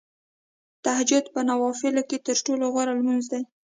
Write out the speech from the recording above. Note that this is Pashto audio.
تهجد په نوافلو کې تر ټولو غوره لمونځ دی .